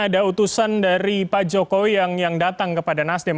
ada utusan dari pak jokowi yang datang kepada nasdem